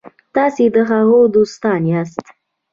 تاسي د هغوی دوستان یاست.